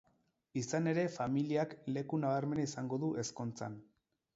Izan ere, familiak leku nabarmena izango du ezkontzan.